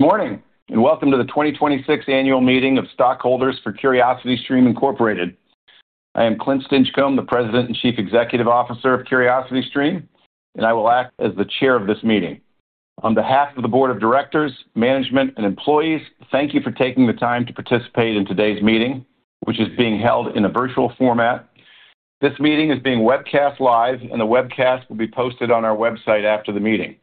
Morning, and welcome to the 2026 Annual Meeting of Stockholders for CuriosityStream Inc. I am Clint Stinchcomb, the President and Chief Executive Officer of CuriosityStream, and I will act as the chair of this meeting. On behalf of the board of directors, management, and employees, thank you for taking the time to participate in today's meeting, which is being held in a virtual format. This meeting is being webcast live, and the webcast will be posted on our website after the meeting.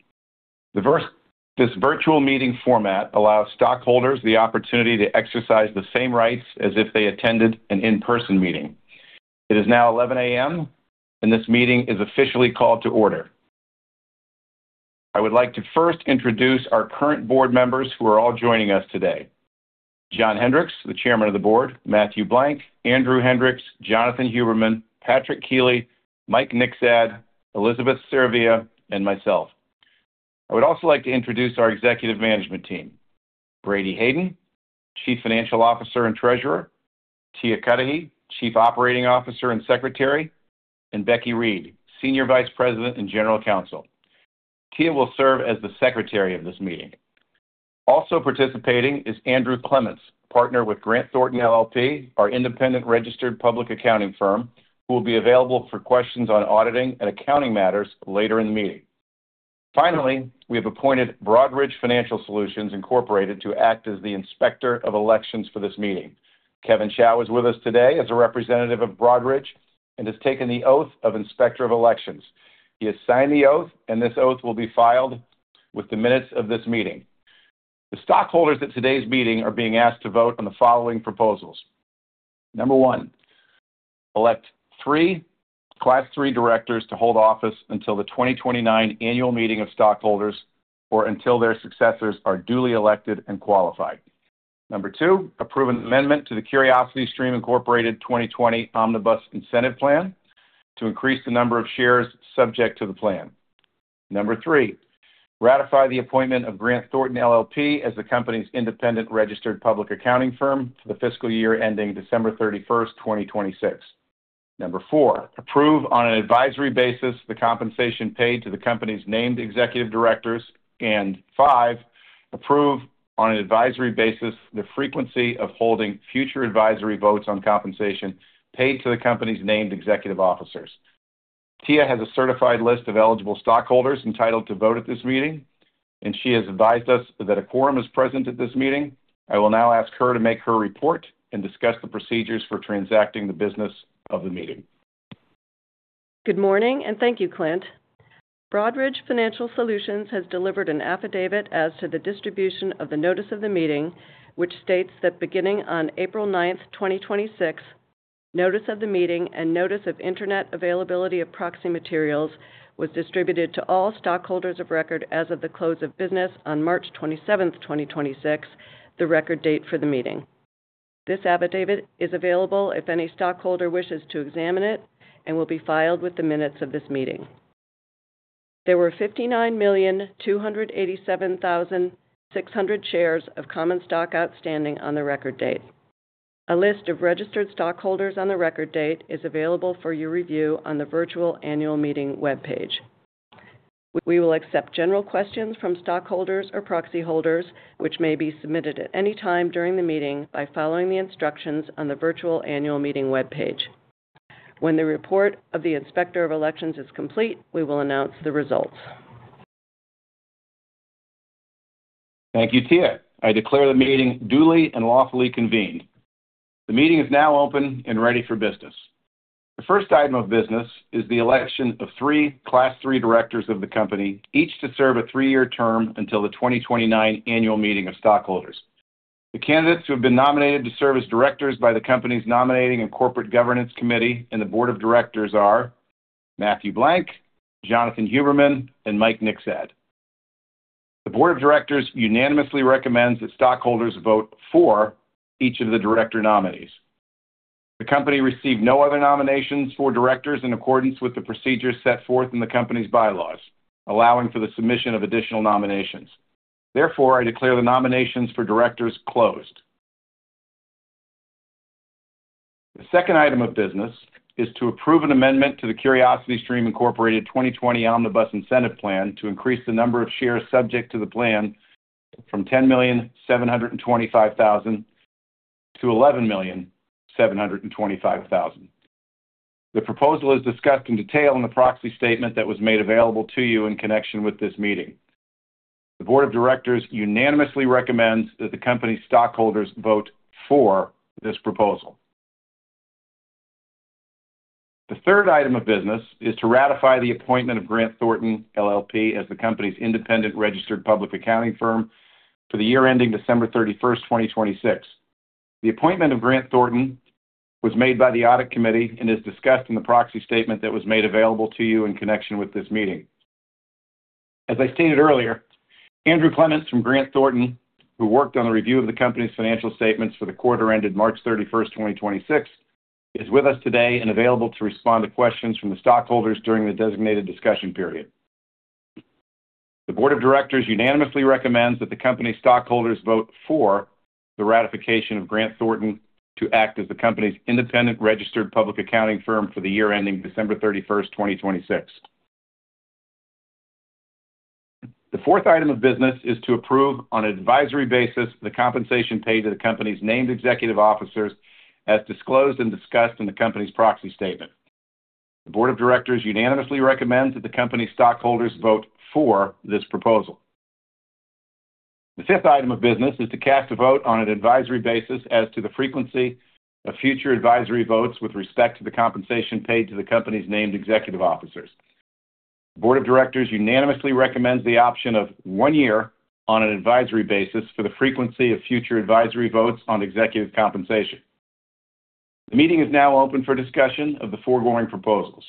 This virtual meeting format allows stockholders the opportunity to exercise the same rights as if they attended an in-person meeting. It is now 11:00 A.M., and this meeting is officially called to order. I would like to first introduce our current board members who are all joining us today. John Hendricks, the Chairman of the Board, Matthew Blank, Andrew Hendricks, Jonathan Huberman, Patrick Keeley, Mike Nikzad, Elizabeth Saravia, and myself. I would also like to introduce our Executive Management Team, Brady Hayden, Chief Financial Officer and Treasurer, Tia Cudahy, Chief Operating Officer and Secretary, and Becky Reed, Senior Vice President and General Counsel. Tia will serve as the secretary of this meeting. Also participating is Andrew Clements, partner with Grant Thornton LLP, our independent registered public accounting firm, who will be available for questions on auditing and accounting matters later in the meeting. Finally, we have appointed Broadridge Financial Solutions Incorporated to act as the Inspector of Elections for this meeting. Kevin Shaw is with us today as a representative of Broadridge and has taken the oath of Inspector of Elections. He has signed the oath, and this oath will be filed with the minutes of this meeting. The stockholders at today's meeting are being asked to vote on the following proposals. Number one elect three Class III directors to hold office until the 2029 annual meeting of stockholders or until their successors are duly elected and qualified. Number two approve an amendment to the CuriosityStream Inc. 2020 Omnibus Incentive Plan to increase the number of shares subject to the plan. Number three ratify the appointment of Grant Thornton LLP as the company's independent registered public accounting firm for the fiscal year ending December 31st, 2026. Number four approve on an advisory basis the compensation paid to the company's named executive directors and five approve on an advisory basis the frequency of holding future advisory votes on compensation paid to the company's named executive officers. Tia has a certified list of eligible stockholders entitled to vote at this meeting, and she has advised us that a quorum is present at this meeting. I will now ask her to make her report and discuss the procedures for transacting the business of the meeting. Good morning, thank you, Clint. Broadridge Financial Solutions has delivered an affidavit as to the distribution of the notice of the meeting, which states that beginning on April 9th, 2026, notice of the meeting and notice of internet availability of proxy materials was distributed to all stockholders of record as of the close of business on March 27th, 2026, the record date for the meeting. This affidavit is available if any stockholder wishes to examine it and will be filed with the minutes of this meeting. There were 59,287,600 shares of common stock outstanding on the record date. A list of registered stockholders on the record date is available for your review on the virtual annual meeting webpage. We will accept general questions from stockholders or proxy holders, which may be submitted at any time during the meeting by following the instructions on the virtual annual meeting webpage. When the report of the Inspector of Elections is complete, we will announce the results. Thank you, Tia. I declare the meeting duly and lawfully convened. The meeting is now open and ready for business. The first item of business is the election of three Class III directors of the company, each to serve a three-year term until the 2029 annual meeting of stockholders. The candidates who have been nominated to serve as directors by the company's Nominating and Corporate Governance Committee and the Board of Directors are Matthew Blank, Jonathan Huberman, and Mike Nikzad. The Board of Directors unanimously recommends that stockholders vote for each of the director nominees. The company received no other nominations for directors in accordance with the procedures set forth in the company's bylaws, allowing for the submission of additional nominations. Therefore, I declare the nominations for directors closed. The second item of business is to approve an amendment to the CuriosityStream Inc. 2020 Omnibus Incentive Plan to increase the number of shares subject to the plan from 10,725,000 to 11,725,000. The proposal is discussed in detail in the proxy statement that was made available to you in connection with this meeting. The Board of Directors unanimously recommends that the company's stockholders vote for this proposal. The third item of business is to ratify the appointment of Grant Thornton LLP as the company's independent registered public accounting firm for the year ending December 31st, 2026. The appointment of Grant Thornton was made by the Audit Committee and is discussed in the proxy statement that was made available to you in connection with this meeting. As I stated earlier, Andrew Clements from Grant Thornton, who worked on the review of the company's financial statements for the quarter ended March 31st, 2026, is with us today and available to respond to questions from the stockholders during the designated discussion period. The Board of Directors unanimously recommends that the company's stockholders vote for the ratification of Grant Thornton to act as the company's independent registered public accounting firm for the year ending December 31st, 2026. The fourth item of business is to approve, on an advisory basis, the compensation paid to the company's named executive officers as disclosed and discussed in the company's proxy statement. The Board of Directors unanimously recommends that the company stockholders vote for this proposal. The fifth item of business is to cast a vote on an advisory basis as to the frequency of future advisory votes with respect to the compensation paid to the company's named executive officers. Board of Directors unanimously recommends the option of one year on an advisory basis for the frequency of future advisory votes on executive compensation. The meeting is now open for discussion of the foregoing proposals.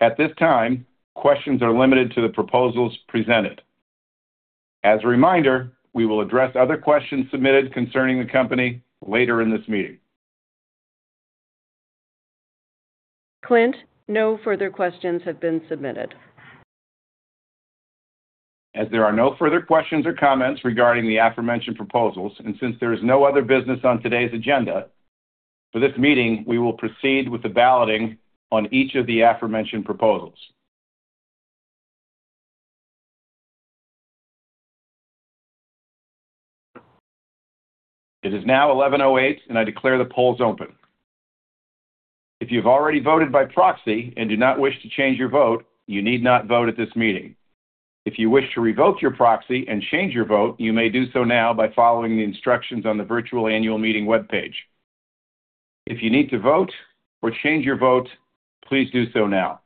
At this time, questions are limited to the proposals presented. As a reminder, we will address other questions submitted concerning the company later in this meeting. Clint, no further questions have been submitted. As there are no further questions or comments regarding the aforementioned proposals, and since there is no other business on today's agenda for this meeting, we will proceed with the balloting on each of the aforementioned proposals. It is now 11:08 A.M., and I declare the polls open. If you've already voted by proxy and do not wish to change your vote, you need not vote at this meeting. If you wish to revoke your proxy and change your vote, you may do so now by following the instructions on the virtual annual meeting webpage. If you need to vote or change your vote, please do so now.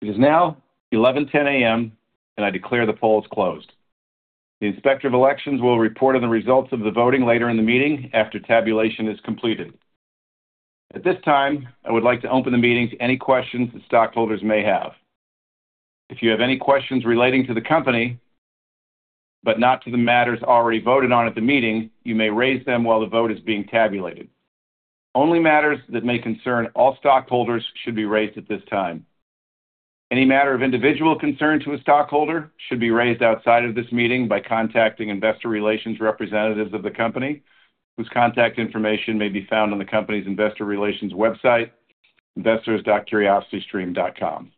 It is now 11:10 A.M., and I declare the polls closed. The Inspector of Elections will report on the results of the voting later in the meeting, after tabulation is completed. At this time, I would like to open the meeting to any questions that stockholders may have. If you have any questions relating to the company, but not to the matters already voted on at the meeting, you may raise them while the vote is being tabulated. Only matters that may concern all stockholders should be raised at this time. Any matter of individual concern to a stockholder should be raised outside of this meeting by contacting investor relations representatives of the company, whose contact information may be found on the company's investor relations website, investors.curiositystream.com.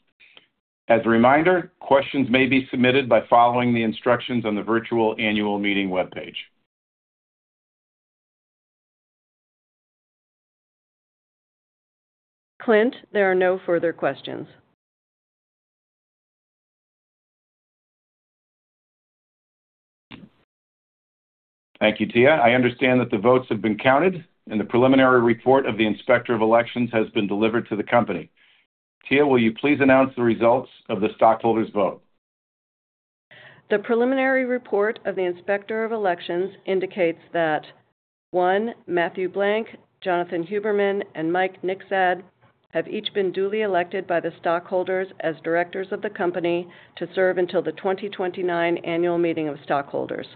As a reminder, questions may be submitted by following the instructions on the virtual annual meeting webpage. Clint, there are no further questions. Thank you, Tia. I understand that the votes have been counted, and the preliminary report of the Inspector of Elections has been delivered to the company. Tia, will you please announce the results of the stockholders' vote? The preliminary report of the Inspector of Elections indicates that, one, Matthew Blank, Jonathan Huberman, and Mike Nikzad have each been duly elected by the stockholders as directors of the company to serve until the 2029 annual meeting of stockholders.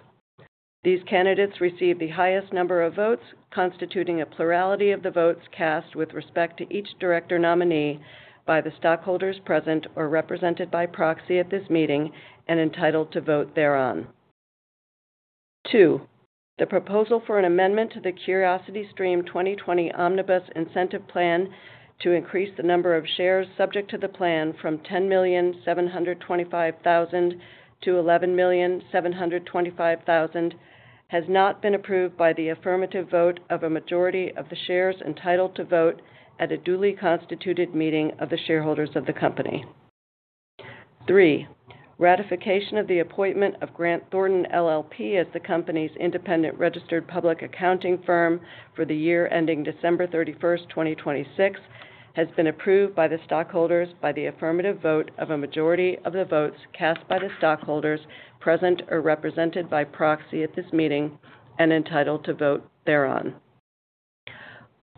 These candidates received the highest number of votes, constituting a plurality of the votes cast with respect to each director nominee by the stockholders present or represented by proxy at this meeting and entitled to vote thereon. Two, the proposal for an amendment to the CuriosityStream Inc. 2020 Omnibus Incentive Plan to increase the number of shares subject to the plan from 10,725,000 to 11,725,000 has not been approved by the affirmative vote of a majority of the shares entitled to vote at a duly constituted meeting of the shareholders of the company. Three, ratification of the appointment of Grant Thornton LLP as the company's independent registered public accounting firm for the year ending December 31st, 2026, has been approved by the stockholders by the affirmative vote of a majority of the votes cast by the stockholders present or represented by proxy at this meeting and entitled to vote thereon.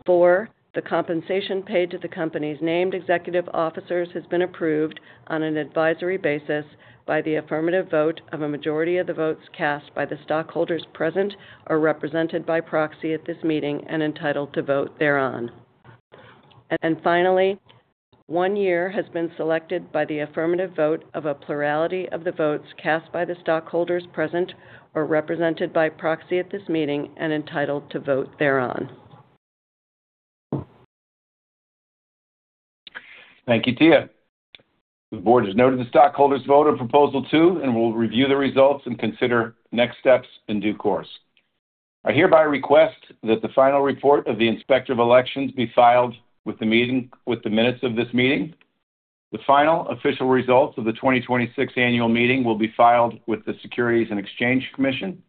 Four, the compensation paid to the company's named executive officers has been approved on an advisory basis by the affirmative vote of a majority of the votes cast by the stockholders present or represented by proxy at this meeting and entitled to vote thereon. Finally, one year has been selected by the affirmative vote of a plurality of the votes cast by the stockholders present or represented by proxy at this meeting and entitled to vote thereon. Thank you, Tia. The board has noted the stockholders' vote on proposal two and will review the results and consider next steps in due course. I hereby request that the final report of the Inspector of Elections be filed with the minutes of this meeting. The final official results of the 2026 annual meeting will be filed with the Securities and Exchange Commission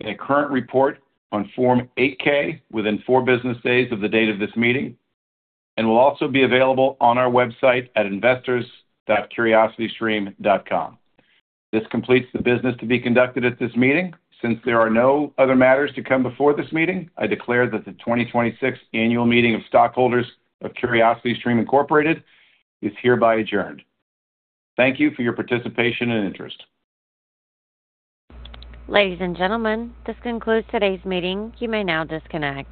in a current report on Form 8-K within four business days of the date of this meeting and will also be available on our website at investors.curiositystream.com. This completes the business to be conducted at this meeting. Since there are no other matters to come before this meeting, I declare that the 2026 annual meeting of stockholders of CuriosityStream Incorporated is hereby adjourned. Thank you for your participation and interest. Ladies and gentlemen, this concludes today's meeting. You may now disconnect.